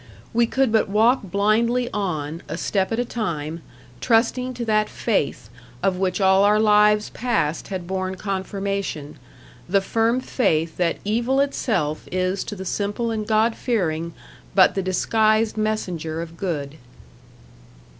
We could but walk blindly on, a step at a time, trusting to that Faith, of which all our lives past had borne confirmation the firm faith that evil itself is to the simple and God fearing but the disguised messenger of good.